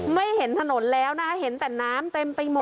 ไม่เห็นถนนแล้วนะเห็นแต่น้ำเต็มไปหมด